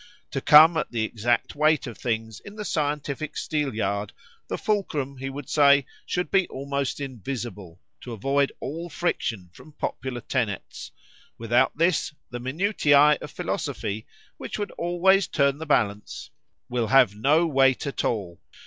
—To come at the exact weight of things in the scientific steel yard, the fulcrum, he would say, should be almost invisible, to avoid all friction from popular tenets;—without this the minutiæ of philosophy, which would always turn the balance, will have no weight at all.